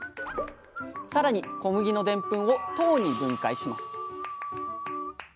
更に小麦のでんぷんを糖に分解します